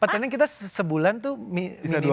katanya kita sebulan tuh minimal dua